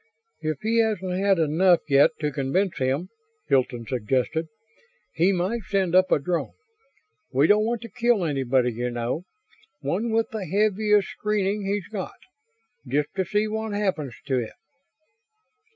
"If he hasn't had enough yet to convince him," Hilton suggested, "he might send up a drone. We don't want to kill anybody, you know. One with the heaviest screening he's got just to see what happens to it."